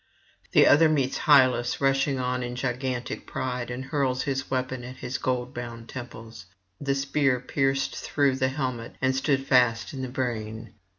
The other meets Hyllus rushing on in gigantic pride, and hurls his weapon at his gold bound temples; the spear pierced through the helmet and stood fast in the brain.